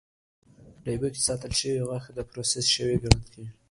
ډبیو کې ساتل شوې غوښه د پروسس شوې ګڼل کېږي.